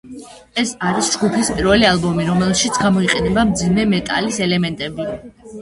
ეს არის ჯგუფის პირველი ალბომი, რომელშიც გამოიყენება მძიმე მეტალის ელემენტები.